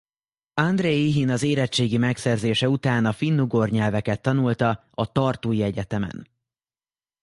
Andres Ehin az érettségi megszerzése után a finnugor nyelveket tanulta a Tartui Egyetemen.